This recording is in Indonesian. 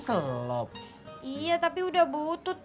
ngeen peninoudi sedikit